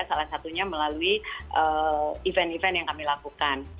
salah satunya melalui event event yang kami lakukan